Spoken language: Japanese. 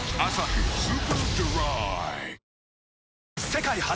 世界初！